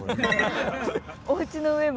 おうちの上を。